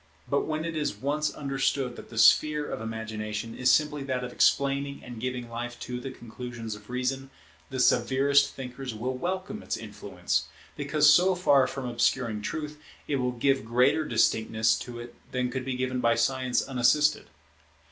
But when it is once understood that the sphere of Imagination is simply that of explaining and giving life to the conclusions of Reason, the severest thinkers will welcome its influence; because so far from obscuring truth, it will give greater distinctness to it than could be given by Science unassisted.